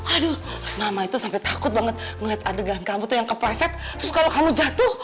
aduh mama itu sampai takut banget ngeliat adegan kamu tuh yang kepleset terus kalau kamu jatuh